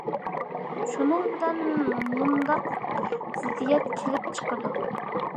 شۇنىڭ بىلەن مۇنداق زىددىيەت كېلىپ چىقىدۇ.